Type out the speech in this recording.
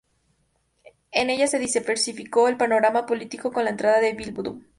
En ellas se diversificó el panorama político con la entrada de Bildu.